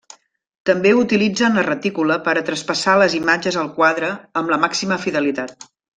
També utilitzen la retícula per a traspassar les imatges al quadre amb la màxima fidelitat.